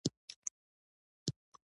جګړه ښادي له منځه وړي